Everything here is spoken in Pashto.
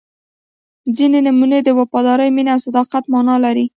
• ځینې نومونه د وفادارۍ، مینې او صداقت معنا لري.